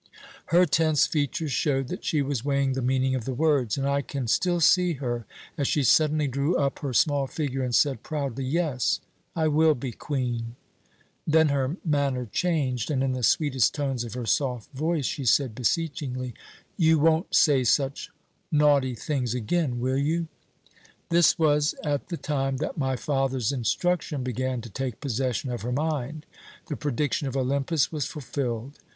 Her tense features showed that she was weighing the meaning of the words, and I can still see her as she suddenly drew up her small figure, and said proudly, 'Yes, I will be Queen!' "Then her manner changed, and in the sweetest tones of her soft voice, she said beseechingly, 'You won't say such naughty things again, will you?' "This was at the time that my father's instruction began to take possession of her mind. The prediction of Olympus was fulfilled.